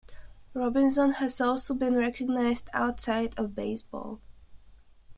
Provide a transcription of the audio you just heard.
Robinson has also been recognized outside of baseball.